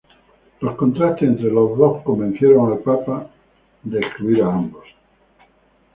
Los contrastes entre los dos convencieron al Papa a excluir a ambos.